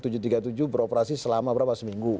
tujuh ratus tiga puluh tujuh beroperasi selama berapa seminggu